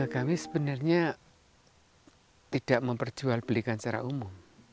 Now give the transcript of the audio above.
kami sebenarnya tidak memperjualbelikan secara umum